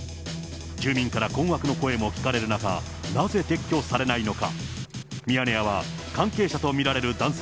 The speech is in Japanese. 住民から困惑の声も聞かれる中、なぜ撤去されないのか。